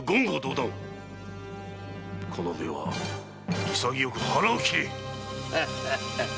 このうえは潔く腹を切れ！